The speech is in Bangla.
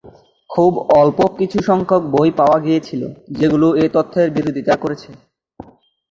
খুব অল্প কিছুসংখ্যক বই পাওয়া গিয়েছিল যেগুলো এ তথ্যের বিরোধিতা করেছে।